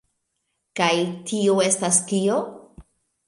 Kaj tio estas kio?